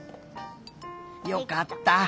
よかった！